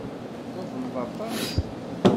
Tuḍneḍ aṭas.